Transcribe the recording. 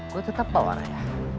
gue tetap bawa raya